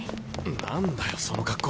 何だよその格好。